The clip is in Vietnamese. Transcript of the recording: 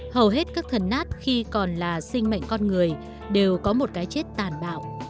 hầu hết các thần nát khi còn là sinh mệnh con người đều có một cái chết tàn bạo